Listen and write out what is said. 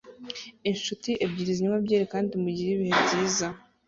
Inshuti ebyiri zinywa byeri kandi mugire ibihe byiza